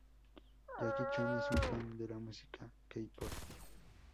Jackie Chan es un fan de la música K-Pop.